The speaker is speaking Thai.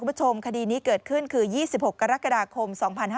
คุณผู้ชมคดีนี้เกิดขึ้นคือ๒๖กรกฎาคม๒๕๕๙